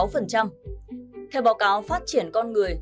theo báo cáo phát triển con người